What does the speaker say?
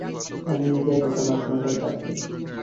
আমি নিজেই যেতাম আপনার কাছে।